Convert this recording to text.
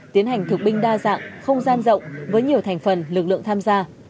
tiến hành thực binh đa dạng không gian rộng với nhiều thành phần lực lượng tham gia